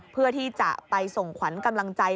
เพื่อที่จะไปส่งขวัญกำลังใจ